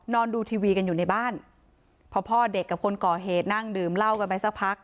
ดูทีวีกันอยู่ในบ้านพอพ่อเด็กกับคนก่อเหตุนั่งดื่มเหล้ากันไปสักพัก